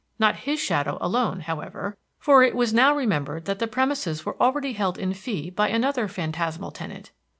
Not his shadow alone, however, for it was now remembered that the premises were already held in fee by another phantasmal tenant.